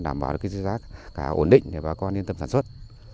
đảm bảo được cái giá cả ổn định để bà con yên tâm sản xuất